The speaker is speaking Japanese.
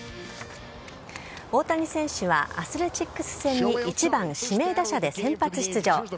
大谷選手はアスレチックス戦に１番指名打者で先発出場。